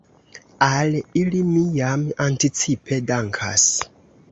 Al ili mi jam anticipe dankas.